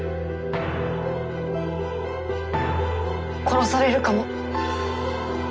殺されるかも。